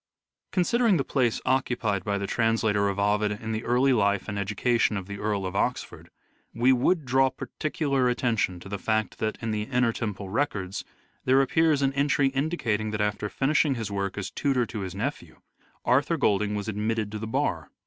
Considering the place occupied by the translator of Ovid in the early life and education of the Earl of Oxford, we would draw particular attention to the fact that, in the Inner Temple Records, there appears an entry indicating that after finishing his work as tutor to his nephew, Arthur Golding was admitted to the Bar.